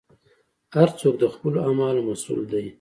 هر څوک د خپلو اعمالو مسوول دی.